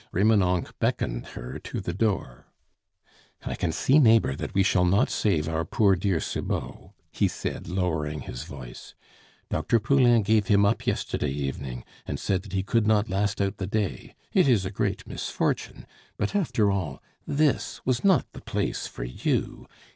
Remonencq beckoned her to the door. "I can see, neighbor, that we shall not save our poor dear Cibot," he said lowering his voice. "Dr. Poulain gave him up yesterday evening, and said that he could not last out the day.... It is a great misfortune. But after all, this was not the place for you....